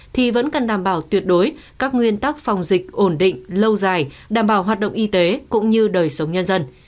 thì vẫn cần đảm bảo tuyệt đối các nguyên tắc phòng dịch ổn định lâu dài đảm bảo hoạt động y tế cũng như đời sống nhân dân